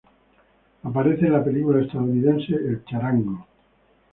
Aparece en la película estadounidense El Charango.